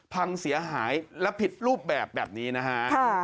พังเสียหายและผิดรูปแบบนี้นะฮะ